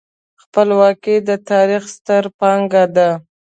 خپلواکي د تاریخ ستره پانګه ده.